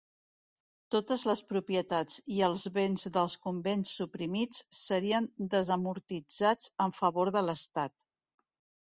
Totes les propietats i els béns dels convents suprimits, serien desamortitzats en favor de l'estat.